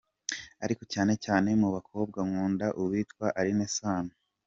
Ariko cyane cyane mu bakobwa nkunda uwitwa Alyn Sano.